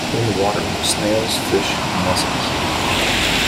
In the water were snails, fish and mussels.